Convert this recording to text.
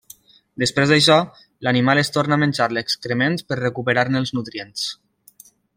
Després d'això, l'animal es torna a menjar l'excrement per recuperar-ne nutrients.